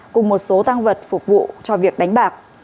cùng một số tăng vật phục vụ cho việc đánh bạc